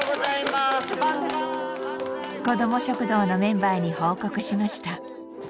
子ども食堂のメンバーに報告しました。